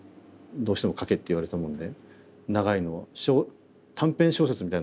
どうしても書けって言われたもんで長いの短編小説みたいの書きましたね最初。